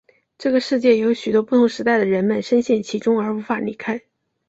这个世界也有许多不同时代的人们身陷其中而无法离开。